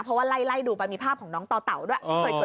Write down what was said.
เพราะว่าไล่ดูไปมีภาพของน้องต่อเต่าด้วย